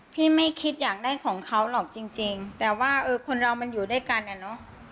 ไม่คิดอยากได้ของเขาหรอกจริงจริงแต่ว่าเออคนเรามันอยู่ด้วยกันอ่ะเนอะ